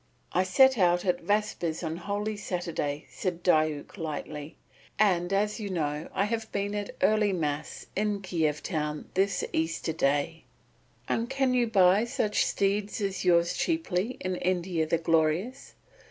"I set out at vespers on Holy Saturday," said Diuk lightly, "and as you know, I have been at early Mass in Kiev town this Easter day." "And can you buy such steeds as yours cheaply in India the Glorious?"